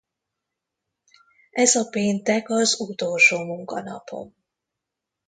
Ez a péntek az utolsó munkanapom.